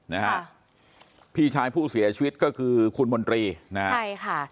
นะฮะพี่ชายผู้เสียชีวิตก็คือคุณมนตรีนะฮะใช่ค่ะ